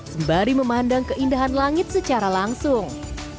sembari memandang keindahan langit secara langsung